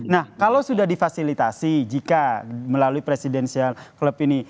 nah kalau sudah difasilitasi jika melalui presidensial club ini